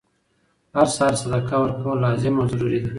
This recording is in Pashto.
هر سهار صدقه ورکول لازم او ضروري ده،